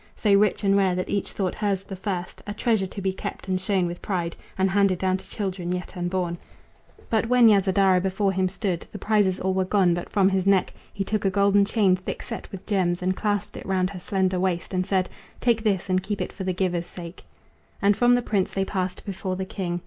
So rich and rare that each thought hers the first, A treasure to be kept and shown with pride, And handed down to children yet unborn. But when Yasodhara before him stood, The prizes all were gone; but from his neck He took a golden chain thick set with gems, And clasped it round her slender waist, and said: "Take this, and keep it for the giver's sake." And from the prince they passed before the king.